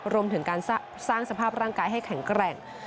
รวมถึงการสร้างสภาพร่างกายให้แข็งแกร่ง